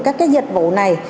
các dịch vụ này